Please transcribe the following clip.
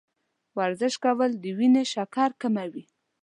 ورزش کول د وینې شکر کموي.